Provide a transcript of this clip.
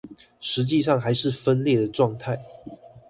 實際上還是分裂的狀態